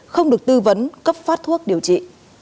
không được tư vấn cấp phát thuốc điều trị